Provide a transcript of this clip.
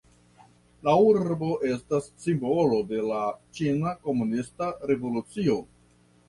La urbo estas simbolo de la ĉina komunista revolucio.